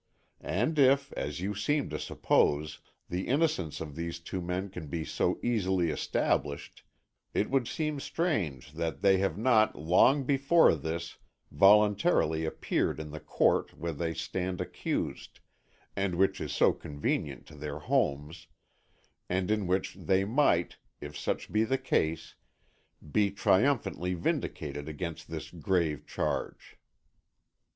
And if, as you seem to suppose, the innocence of these two men can be so easily established, it would seem strange that they have not long before this voluntarily appeared in the court where they stand accused, and which is so convenient to their homes, and in which they might, if such be the case, be triumphantly vindicated against this grave charge.